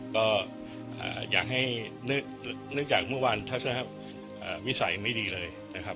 ก็อ่าอยากให้นึกนึกจากเมื่อวันถ้าถ้าอ่ามิสัยไม่ดีเลยนะครับ